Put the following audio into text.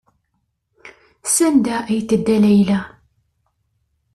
Sanda ay tedda Layla?